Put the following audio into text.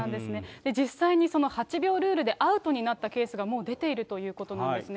実際にその８秒ルールでアウトになったケースがもう出ているということなんですね。